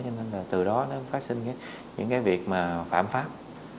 cho nên là từ đó nó phát sinh những cái việc mà phạm pháp